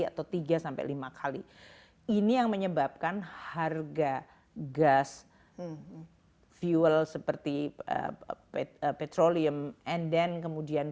atau tiga sampai lima kali ini yang menyebabkan harga gas fuel seperti petrolium and then kemudian